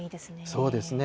そうですね。